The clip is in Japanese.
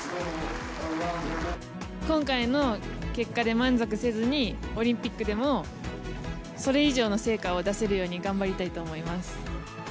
今回の結果で満足せずに、オリンピックでも、それ以上の成果を出せるように頑張りたいと思います。